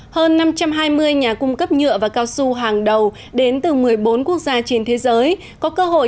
hơn năm trăm hai mươi nhà cung cấp nhựa và cao su hàng đầu đến từ một mươi bốn quốc gia trên thế giới